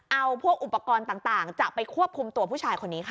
เอาพวกอุปกรณ์ต่างจะไปควบคุมตัวผู้ชายคนนี้ค่ะ